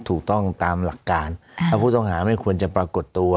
ถูกต้องตามหลักการแล้วผู้ต้องหาไม่ควรจะปรากฏตัว